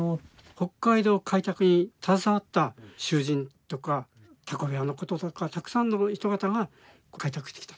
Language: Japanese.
北海道開拓に携わった囚人とかタコ部屋のこととかたくさんの人がたが開拓してきたと。